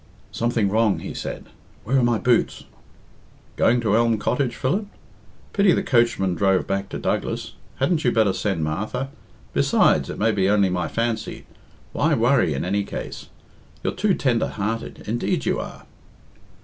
"Something wrong," he said. "Where are my boots?" "Going to Elm Cottage, Philip? Pity the coachman drove back to Douglas. Hadn't you better send Martha? Besides, it may be only my fancy. Why worry in any case? You're too tender hearted indeed you are."